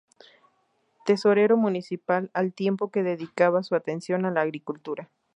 Tesorero Municipal al tiempo que dedicaba su atención a la agricultura.